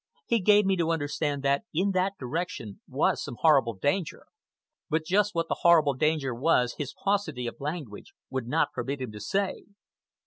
He gave me to understand that in that direction was some horrible danger, but just what the horrible danger was his paucity of language would not permit him to say.